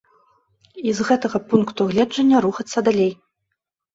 І з гэтага пункту гледжання рухацца далей.